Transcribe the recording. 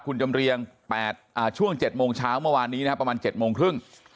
คุณจำเรียงช่วง๗โมงเช้าเมื่อวานนี้นะครับประมาณ๗โมงครึ่ง